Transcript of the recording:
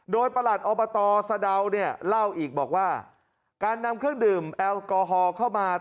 โดยประหลัดอบตสะดาวเนี่ยเล่าอีกบอกว่าการนำเครื่องดื่มแอลกอฮอล์เข้ามา